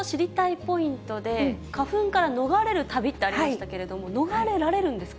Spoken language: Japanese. ポイントで、花粉から逃れる旅ってありましたけど、逃れられるんですか。